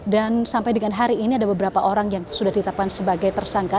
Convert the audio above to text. dan sampai dengan hari ini ada beberapa orang yang sudah ditetapkan sebagai tersangka